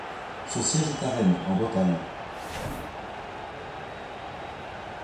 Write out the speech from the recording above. Son siège est à Rennes, en Bretagne.